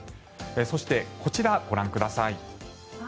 そして、こちらご覧ください。